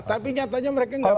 tapi nyatanya mereka nggak tahu